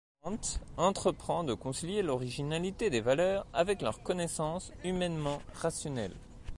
Kant entreprend de concilier l'originalité des valeurs avec leur connaissance humainement rationnelle.